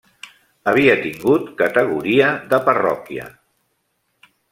Havia tingut categoria de parròquia.